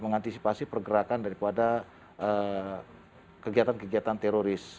mengantisipasi pergerakan daripada kegiatan kegiatan teroris